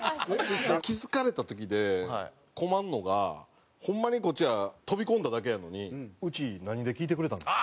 気付かれた時で困るのがホンマにこっちは飛び込んだだけやのに「うち何で聞いてくれたんですか？」。